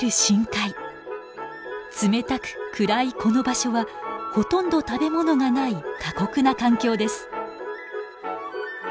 冷たく暗いこの場所はほとんど食べ物がない過酷な環境です。